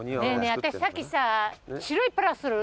私さっきさ。